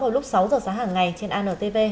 vào lúc sáu giờ sáng hàng ngày trên antv